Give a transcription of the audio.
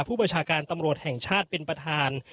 ผู้บัญชาการตำรวจแห่งชาติเป็นประธาน